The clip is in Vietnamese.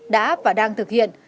đã và đang thực hiện